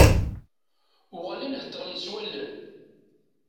Uɣalen heddren s wallen.